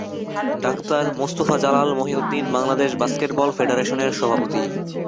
Doctor Mostafa Jalal Mohiuddin Bangladesh basketball ফেডারেশনের সভাপতি।